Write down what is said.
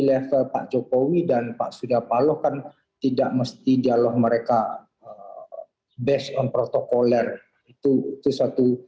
level pak jokowi dan pak surya paloh kan tidak mesti dialog mereka based on protocoler itu itu suatu